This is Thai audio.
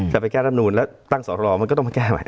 ไปแก้รับนูนแล้วตั้งสอรมันก็ต้องมาแก้ใหม่